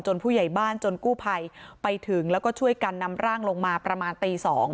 ผู้ใหญ่บ้านจนกู้ภัยไปถึงแล้วก็ช่วยกันนำร่างลงมาประมาณตี๒